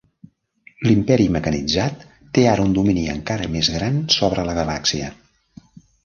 L'imperi mecanitzat té ara un domini encara més gran sobre la galàxia.